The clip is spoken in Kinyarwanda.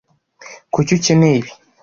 kuki ukeneye ibi